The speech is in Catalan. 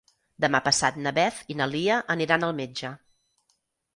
Demà passat na Beth i na Lia aniran al metge.